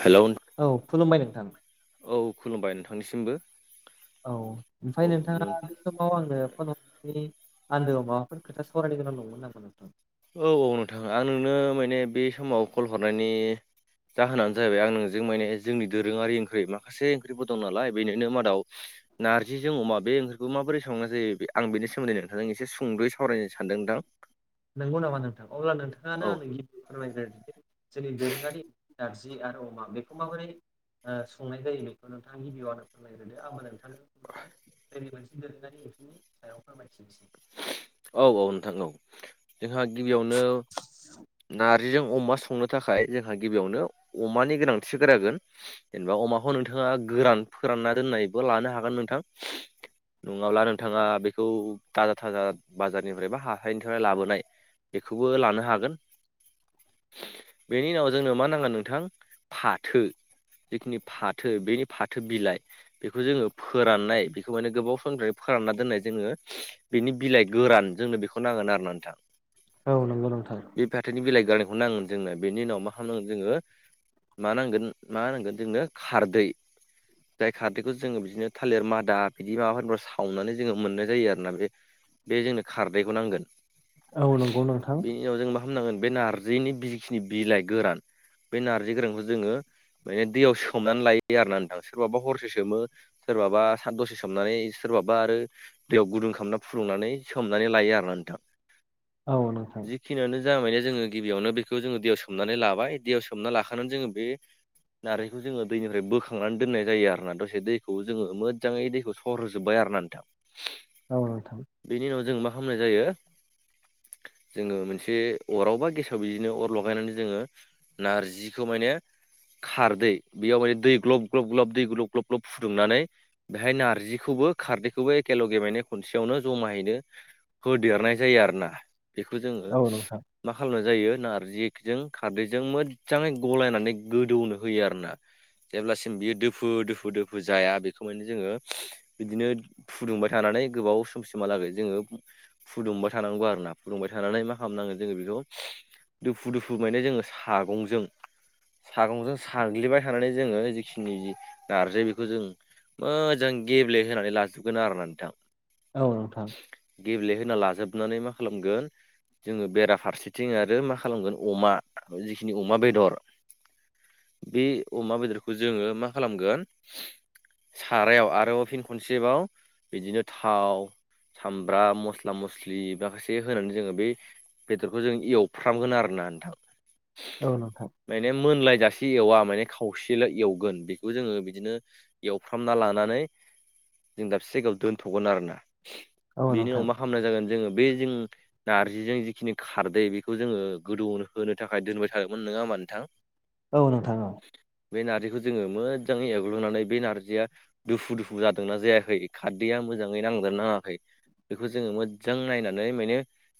हेल'। औ खुलुमबाय नोंथां। औ खुलुमबाय नोंथांनिसिमबो। औ औ ओमफ्राय नों नोंथाङा बे समाव आंनो फन हरनानै। आन्दो माफोर खोथा सावरायनो गोनाव दंमोन नामा नोंथां। औ औ नोंथां आं नोंनो माने बे समाव कल हरनायनि। जाहोनानो जाहैबाय आं नोंजों माने जोंनि दोरोङारि ओंख्रि माखासे ओंख्रिफोर दं नालाय बेनिनो मादाव। नारजिजों अमा बे ओंख्रिखौ माबोरै संनाय जायो आं बेनि सोमोन्दै नोंथांजों एसे सुंदुयै सावरायनो सानदों नोंथां। नंगौ नामा नोंथां अब्ला औ नोंथाङानो आं फोरमायग्रो जोंनि दोरोङारि नारजि आरो अमा बेखौ माबोरै संनाय जायो बेखौोंथां गिबियावनो फोरमायग्रो आंबो नोंथां [inaudible] जोंनि मोनसे दोरोङारि एसुननि सायाव फोरमायथिनोसै। औ औ नोंथां औ जोंहा गिबियावनो। नारजिजों अमा संनो थाखाय जोंहा गिबियावनो अमानि गोनांथिसो गोरागोन। जेनेबा अमाखौ नोंथाङा गोरान फोरानना दोननायबो लानो हागोन नोंथां। नङाब्ला नोंथाङा बेखौ थाजा थाजा। बाजारनिफ्राय बा हाथाइनिफ्राय लाबोनाय बेखौबो लानो हागोन। बेनि उनाव जोंनो मा नांगोन नोंथां फाथो। जिखिनि फाथो बेनि फाथो बिलाइ। बेखौ जोङो फोराननाय बेखौ माने गोबाव समनि फोरानना दोननाय जोङो बिनि बिलाइ। गोरान जोंनो बेखौ नांगोन आरोना ना नोंथां। औ नंगौ नोंथां। बे फाथोनि बिलाइ गारनायखौ नांगोन जोंनो बेनि उनाव मा खालामनांगोन जोङो। मा नांगोन मा नांगोन जोंनो खारदै। जाय खारदैखौ जोङो बिदिनो थालिर मादा बिदि माबाफोरफोरखौ सावनानै जोङो मोननाय जायो आरोना बे। बे जोंनो खारदैखौ नांगोन औ नंगौ नोंथां बेनि उनाव जों मा। खालामनांगोन बे नारजिनि जिखिनि बिलाइ गोरान बे नारजि गोरानखौ जोङो। माने दैयाव सोमनानै लायो आरोना नोंथां सोरबाबा हरसो सोमो। सोरबाबा साथ दसे सोमनानै सोरबाबा आरो दैयाव गुदुं खालामना फुदुंनानै। सोमनानै लायो आरोना नोंथां। औ नोंथां। खिनियानो जा माने जोङो गिबियावनो बेखौ जोङो दैयाव सोमनानै लाबाय दैयाव सोमना लाखानानै जोङो बे नारेंखौ जोङो दैनिफ्राय बोखांनानै दोननाय जायो आरोोना दसे दैखौ जोङो मोजाङै दैखौ हर होजोबबाय आरो ना नोंथां औ औ थाब बेनि उनाव जों मा खालामनाय जायो जोङो मोनसे अराव बा गेसाव बिदिनो अर लगायनानै जोङो नारजिखौ माने खारदै बेयाव माने दै ग्ल ग ग दै ग्ल ग ग्लब फुदुंनानै बेहाय नारजिखौबो खारदैखौबो एखेल' गेमनाय खनसेयावनो जमायैनो होदेरनाय जायो आरोोना बेखौ जोङो औ नोंथां मा खालामनाय जायो नारजिजों खारदैजों मोजाङै गलायनानै गोदौनो होयो आरोना जेब्लासिम बियो दोफु दोफु दोफु जाया बेखौ माने जोङो बिदिनो फुदुंबाय थानानै गोबाव समसिमहालागै जोङो फुदुंबाय थानांगौ आरो ना फुदुंबाय थानानै मा खालामनांगोन जोङो बेखौ दुफु दुफु माने जोङो सागंजों सागंजों साग्लिबाय थानानै जोङो जिखिनि जि नारजि बेखौ जों मोजां गेब्लेहानै लाजोबगोन आरो ना नोंथां। औ नोंथां। गेब्लेहोना लाजोबनानै मा खालामगोन। जोङो बेराफारसेथिं आरो मा खालामगोन अमा जिखिनि अमा बेदर। बे अमा बेदरखौ जोङो मा खालामगोन। सारायाव आरोबाव फिन खनसेबाव बिदिनो थाव सामब्राम मस्ला मस्लि माखासे होनानै जोङो बे बेदरखौ जों एवफ्रामगोन आरोना नोंथां। औ नोंथां। माने मोनलायजासे एवा माने खावसेल एवगोन बेखौ जोङो बिदिनो एवफ्रामना लानानै जों दाबसे जायगायाव दोनथ'गोन आरोना औ बेनि अ नोंथां [unintelligible] जागोन जोङो बे जों नारजिजों जिखिनि खारदै बेखौ जोङो गोदौ होनो होनो थाखाय दोनबाय थादोंमोन नङा होमबा नोंथां। औ नोंथां औ। बे नारजिखौ जोङो मोजाङै एवग्रोनानै बे नारजिया दुफु दुफु जादोंना जायाखै खारदैया मोजाङै नांदोंना खै बेखौ जोङो मोजां नायनानै माने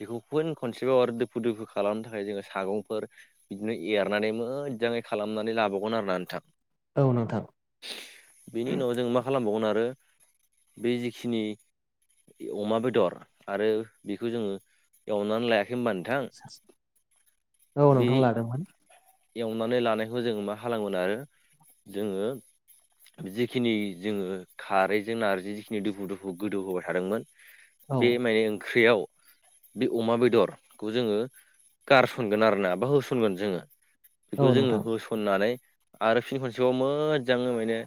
बेखौ फुन खनसेबाव आरो दोफु दुफु खालामनो थाखाय जोङो सागंफोर बिदिनो एरनानै मोजाङै खालामनानै लाबावगोन आरोना नोंथां। औ नोंथां। बेनि उनाव जों मा खालामबावगोन आरो बे जिखिनि अमा बेदर आरो बेखौ जोङो एवनानै लाया होमबा नोंथां बे [unintelligible] एवनानै लानायखौ जोङो मा खालामगोन आरो जोङो जिखिनि जोङो खारैजों नार्जि जिखिनि दोफु दुफु गोदौ होबाय थादोंमोन। औ बे माने ओंख्रियाव बे अमा बेदरखौ जोङो गारसनगोन आरोना बा होसनगोन जोङो। औ बेखौ जोङो नोंथां होसननानै आरो फिन खनसेबाव मोजाङै माने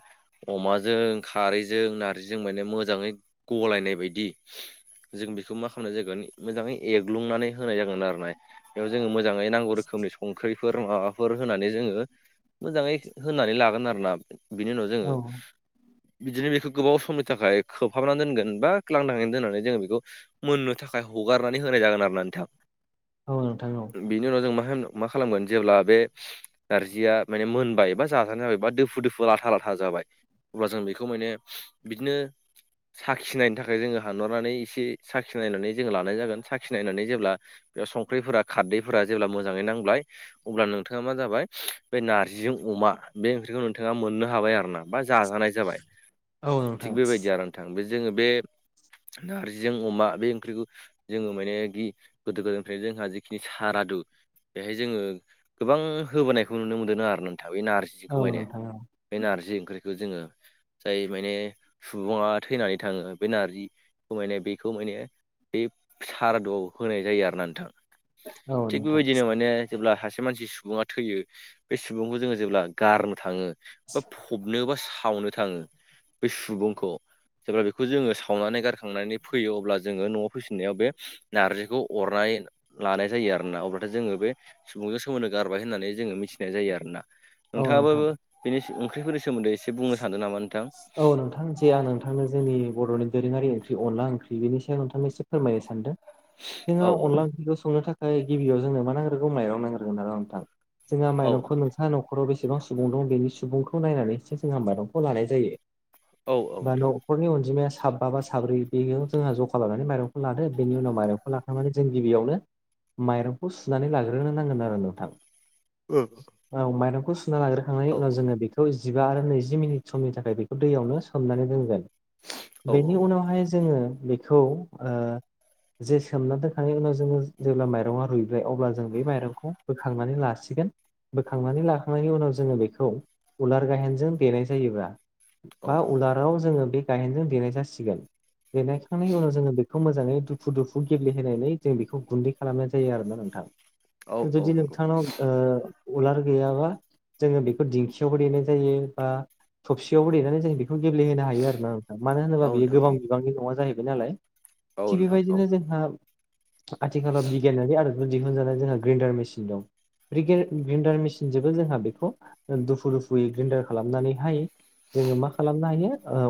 अमाजों खारैजों नार्जिजों माने मोजाङै गलायनाय बायदि जों बेखौ मा खालामनाय जागोन मोजाङै एग्लुंनानै होनाय जागोन आरो ना। बेयाव जोङो मोजाङै नांगौ रोखोमनि संख्रिफोर माबा फोर होनानै जोङो मोजाङै होनानै लागोन आरोना बिनि उनाव औ जोङो बिदिनो बेखौ गोबाव समनि थाखाय खोबहाबनानै दोनगोन बा लादाङै दोननानै जोङो बेखौ मोननो थाखाय हगारनानै होनाय जागोन आरो ना नोंथां। औ नोंथां औ। बिनि उनाव जों मा होन मा खालामगोन जेब्ला बे नारजिया माने मोनबाय बा जाजानाय जाबाय बा दोफु दोफु लाथा लाथा जाबाय अब्ला जों बेखौ माने बिदिनो साखिनायनो थाखाय जोङो हानहरनानै एसे साखिनायनानै जोङो लानाय जागोन साखिनायनानै जेब्ला बेयाव संख्रिफोरा खारदैफोरा जेब्ला मोजाङै नांबाय अब्ला नों नोंथाङा मा जाबाय बे नारजिजों अमा बे ओंख्रिखौ नोंथाङा मोननो हाबाय आरो ना। बा जाजानाय जाबाय औ थिग नोंथां बेबायदि आरो नोंथां बे जोङो बे नारजिजों अमा बे ओंख्रिखौ जोङो मानो गि गोदो गोदायनिफ्रायनो जोंहा जिखिनि सारादु बेहाय जोङो गोबां होबोनायखौ नुनो मोनदोंनो आरो नोंथां बे औ नारजिखौ माने। नोंथां बे नारजि ओंख्रिखौ जोङो जाय माने सुबुङा थैनानै थाङो बे नारजिखौ माने बेखौ माने बे सारादुआव होनाय जायो आरोना नोंथां। औ थिग नोंथां बेबायदिनो माने जेब्ला सासे मानसि सुबुङा थैयो बे सुबुंखौ जोङो जेब्ला गारनो थाङो बा फबनो बा सावनो थाङो बे सुबुंखौ। जेब्ला बेखौ जोङो सावनानै गारखांनानै फैयो अब्ला जोङो न'आव फैफिननायाव बे नारजिखौ अरनाय लानाय जायो आरो ना अब्लाथाय जोङो बे सुबुंजों सोमोन्दो गारबाय होननानै जोङो मिथिनाय जायो आरोना। औ नोंथाङाबो नोंथां बेनि ओंख्रिफोरनि सोमोन्दै एसे बुंनो सानदों नामा नोंथां? औ नोंथां जे आं नोंथांनो जोंनि बर'नि दोरोङारि ओंख्रि अनला ओंख्रि बेनि सायाव नोंथांनो एसे फोरमायनो सानदों। जोंहा औ अनला ओंख्रिखौ संनो थाखाय गिबियाव जोंनो मा नांग्रोगौ माइरं नांग्रोगोन आरो नोंथां। जोंहा औ माइरंखौ नोंसा न'खराव बेसेबां सुबुं दं बेनि सुबुंखौ नायनानैसो जोंहा माइरंखौ लानाय जायो। औ औ बा नोंथां न'खरनि अनजिमाया साबा बा साब्रै बेयाव जोंहा ज' खालामनानै माइरंखौ लादो। बेनि उनाव माइरं खौ लाखांनानै जों गिबियावनो माइरंखौ सुनानै लाग्रोनो नांगोन आरो नोंथां। ओ। औ माइरंखौ सुना लाग्रोखांनायनि उनाव जोङो बेखौ जिबा आरो नैजि मिनिट समनि थाखाय बे दैयावनो सोमनानै दोनगोन। औ बेनि उनावहाय जोङो बेखौ ओ जे सोमना दोनखांनायनि उनाव जोङो जेब्ला माइरङा रुइबाय अब्ला जों बे माइरंखौ बोखांनानै लासिगोन। बोखांनानै लाखांनायनि उनाव जोङो बेखौ उलार गाहेनजों देनाय जायो बा औ बा उलाराव जोङो बे गाहेनजों देनाय जासिगोन। देनायखांनायनि उनाव जोङो बे खौ मोजाङै दुफु दुफु गेब्लेहोनानै जों बेखौ गुन्दै खालामनाय जायो आरोना नोंथां। औ औ जुदि नंगौ नोंथांनाव ओ उलार गैयाबा जोङो बेखौ दिंखियावबो देनाय जायो बा सियावबो दैेनानै जों बेखौ गेब्लेहोनो हायो आरोना नोंथा मानो औ होनोबा बेयो नोंथां गोबां औ बिबांनि नङा जाहैबाय नालाय। औ थिग नोंथां औ बेबायदिनो जोंहा आथिखालाव बिगियानारि आदबखौ दिहुनजानाय जोंहा ग्रेन्डार मेसिन दं। बे ग्रि-ग्रिन्डार मेसिनजोंबो जोंहा बेखौ दुफु दुफुयै ग्रिन्डार खालामनानैहाय जोङो मा खालामनो हायो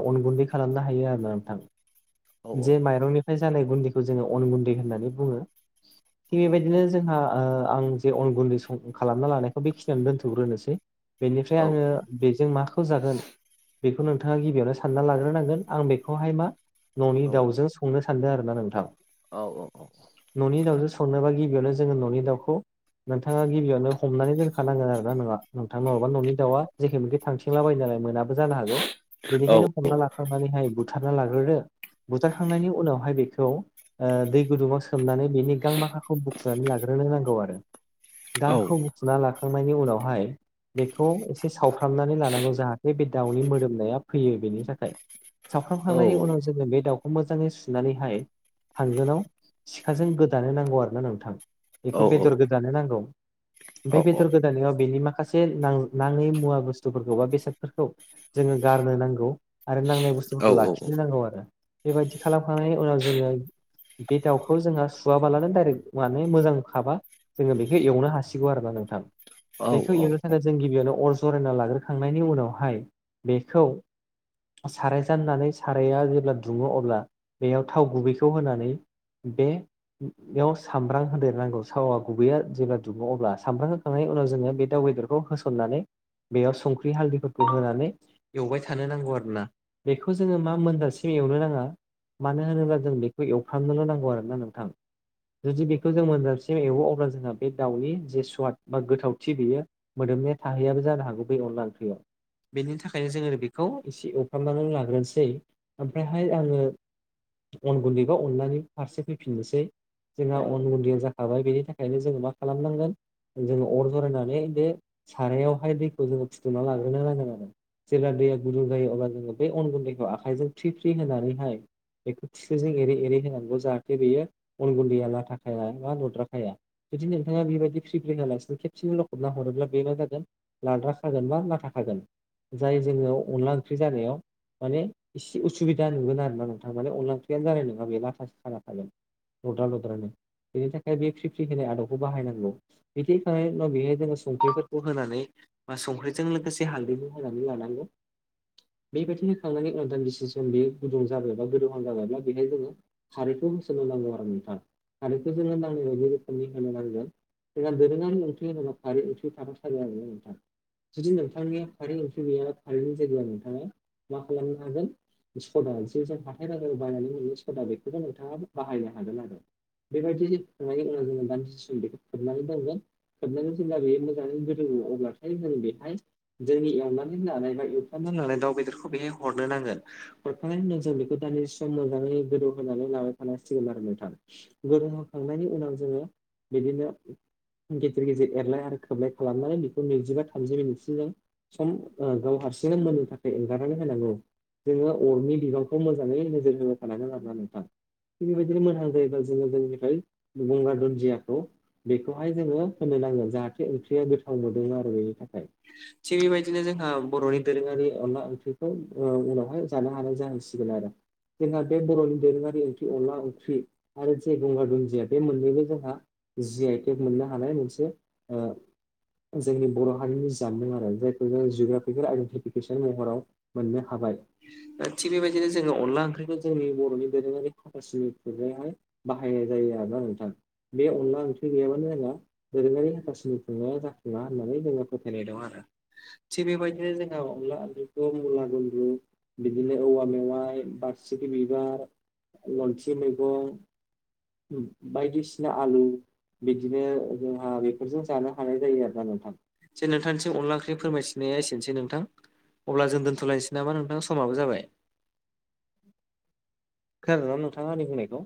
अन गुन्दै खालामनो हायो आरोना औ नोंथां। जे माइरंनि फ्राय जानाय गुन्दैखौ जोङो अन गुन्दै होननानै बुङो। औ थिग बेबायदिनो जोंहा ओ आं जे अनगुन्दै खालामना लानायखौ बेखिनियावानो दोनथ'ग्रोनोसै। बेनिफ्राय औ आङो बेजों माखौ जागोन बेखौ नोंथाङा गिबियावनो सानना लाग्रोनांगोन। आं बेखौहाय मा न'नि दाउजों संनो सानदों आरोना नोंथां। औ औ औ। न'नि दाउजों संनोबा गिबियावनो जोङो न'नि दाउखौ नोंथाङा गिबियावनो हमनानै दोनखानांगोन आरोना नङा नोंथां नङाबा न'नि दाउआ जेखे मेखै थांथिंलाबायायो नालाय मोना बो जानो हागौ। बेनिखायनो हमना लाखांनानैहाय बुथारना लाग्रोदो। बुथारखांनायनि उनावहाय बेखौ दै गुदुङाव सोमनानै बेनि गां माखाखौ बुखुनानै लाग्रोनो नांगौ आरो। गांखौ फुना लाखांनायनि उनावहाय बेखौ एसे सावफ्रामनानै लानांगौ जाहा ते बे दाउनि मोदोमनाया फैयो बेनि थाखाय। सावफ्रामखांनायनि उनाव जोङो बे दाउखौ मोजाङै सुनानैहाय थांगोनाव सिखाजों गोदानो नांगौ आरोना नोंथां। बेखौ बेदर औ गोदानो नांगौ। बे बेदर गोदानायाव बेनि माखा से ना-नाङै मुवा बुस्थुफोरखौ बा बेसादफोरखौ जोङो गारनो नांगौ आरो नांनाय औ औ बुस्थुफोरखौ औ लाखिनो नांगौ आरो। बेबायदि खालामखांनायनि उनाव जोङो बे दाउखौ जोंहा सुवाबालानो दाइरेक्ट माने मोजांखाबा जोङो बेखौ एवनो हासिगौ आरोना नोंथां। औ बेखौ औ एवनो थाखाय जों गिबियावनो अर जरायना लाग्रोखांनायनि उनावहाय बेखौ साराय जाननानै साराया जेब्ला दुङो अब्ला बेयाव थाव गुबैखौ होनानै बे याव सामब्राम होदेरनांगौ थाव गुबैया जेब्ला दुङो अब्ला सामब्राम होखांनाय उनाव जोङो बे दाउ बेदरखौ होसननानै बेयाव संख्रि हालदैफोरखौ होनानै एवबाय थानो नांगौ आरो ना बेखौ जोङो मा मोनजासिम एवनो नाङा। मानो होनोब्ला जों बेखौ एवफ्रामनोल' नांगौ आरो ना नोंथां। जुदि बेखौ जों मोनजासिम एवो अब्ला जोंहा बे दाउनि जे सुवाद बा गोथावथि बेयो मोदोमनाया थाहैयाबो जानो हागौ बे अनला ओंख्रियाव। बेनि थाखायनो जोङो बेखौ एसे एवफ्रामनानै लाग्रोनोसै ओमफ्रायहाय आंङो अन गुन्दैबा अनलानि फारसे फैफिननोसै। जोंहा अन गुन्दैया जाखाबाय बेनि थाखायनो जोङो मा खालामनांगोन जोङो अर जरायनानै बे सारायावहाय दैखौ जोङो फुदुंना लागोन होनो नांगोन आरो जेब्ला दैया गुदुं जायो अब्ला जोङो बे अन गुन्दैखौ आखाइजों फ्रि फ्रि होनानैहाय बेखौ खोस्लिजों एरै एरै होनांगौ जाहाथे बेयो अन गुन्दैया लाथाखाया बा लुद्रा खाया। जुदि नोंथाङा बेबायदि फ्रि फ्रि होआलासिनो खेबसेनो लखबना हरोब्ला बे मा जागोन लाद्राखागोन बा लाथाखागोन जाय जोङो अनला ओंख्रि जानायाव माने एसे उसुबिदा नुगोन आरो ना नोंथां माने अनला ओंख्रियानो जानाय नङा बे लाथासो खाना थागोन। लद्रा लद्रानो बेनि थाखाय बे फ्रि फ्रि होनाय आदबखौ बाहायनांगौ। बिदि होखांनायनि उनाव बेहाय जोङो संख्रिफोरखौ होनानै बा संख्रिजों लोगोसे हालदैखौ होनानै लानांगौ। बेबायदि होखांनानै उनाव दानदिसे सम बेयो गुदुं जाबायबा गोदौहां जाबायब्ला बेहाय जोङो खारैखौ होसननो नांगौ आरो नोंथां खारैखौ जोङो नांनाय बायदि रोखोमनि होनो नांगोन। जोंहा दोरोङारि ओंख्रि होनबा खारै ओंख्रि थाफाथारो आरोना नोंथां जुदि नोंथा [unintelligible] खारै ओंख्रि गैयाब्ला खारैनि जायगायाव नोंथाङा मा खालामनो हागोन सदा जे जों हाथाय बाजाराव बायनानै मोनो सदा बेखौबो नोंथाङाबो बाहायनो हागोन आरो। बेबायदि होखांनायनि उनाव जोङो दान्दिसे सम बेखौ खोबनानै दोनगोन। खोबनानै जेब्ला बेयो मोजाङै गोदौयो अब्लाथाय जों बेहाय जोंनि एवनानै लानाय बा एवफ्रामनानै लानाय दाउ बेदरखौ बेहाय हरनो नांगोन। हरखांनाय उनाव जों बेखौ दान्दिसे सम मोजाङै गोदौ होनानै लाबाय थानांसिगोन आरो नोंथां। गोदौ होखांनायनि उनाव जोङो बिदिनो गेजेर गेजेर एरलाय आरो खोबलाय खालामनानै बेखौ नैजिबा थामजि मिनिटसिम जों सम ओ गाव हारसिंनो मोननो थाखाय एंगारनानै होनांगौ। जोङो अरनि बिबांखौ मोजाङै नोजोर होबाय थानांगोन आरोना नोंथां ‌। थिग बेबायदिनो मोजां जायोब्ला जोङो जोंनिफ्राय गंगार दुन्दियाखौ बेखौहाय जोङो होनो नांगोन जाहाथे ओंख्रिया गोथाव मोनदोमो आरो बेनि थाखाय। थिग बेबायदिनो जोंहा बर'नि दोरोङारि अनला ओंख्रिखौ ओ उनावहाय जानो हानाय जाहैसिगोन आरो। जोंहा बे बर'नि दोरोङारि ओंख्रि अनला ओंख्रि आरो जे गंगार दुन्दिया बे मोननैबो जोंहा जि आइ टेग मोननो हानाय मोनसे ओ जोंनि बर' हारिनि जामुं आरो। जायखौ जों जिअग्राफिकेल आइडेन्टिफिकेसन महराव मोननो हाबाय। थिग बेबायदिनो जोङो अनला ओंख्रिखौ जोंनि बर'नि दोरोंङारि हाथासुनि खुरनायावहाय बाहायनाय जायो आरोना नोंथां बे अनला ओंख्रि गैयाबानो [unintelligible] दोरोङारि हाथासिनि खुंनाया जाफुंङा होननानै जोङो फोथायनाय दं आरो। थिग बेबायदिनो जोंङो अनला ओंख्रिखौ मुला गुन्द्रु बिदिनो औवा मेवाइ बारसिखि बिबार लन्थि मैगं बायदिसिना आलु बिदिनो जोंहा बेफोरजों जानो हानाय जायो आरो ना नोंथां जे नोंथांथिं अनला [unintelligible] बे फोरमायथिनाया एसेनोसै नोंथां अब्ला जों दोनथ'लायनोसै नामा नोंथां समाबो जाबाय। ज [inaudible] खोनादोंना नोंथाङा आंनि बुंनायखौ?